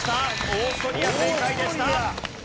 オーストリア正解でした。